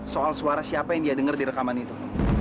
soal suara siapa yang dia dengar di rekaman itu